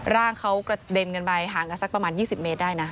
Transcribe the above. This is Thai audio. ร่างเขากระเด็นกันไปห่างกันสักประมาณ๒๐เมตรได้นะ